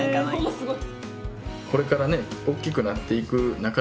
すごい！